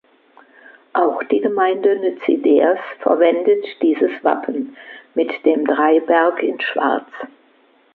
Auch die Gemeinde Nüziders verwendet dieses Wappen, mit dem Dreiberg in Schwarz.